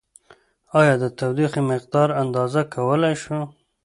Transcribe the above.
ایا د تودوخې مقدار اندازه کولای شو؟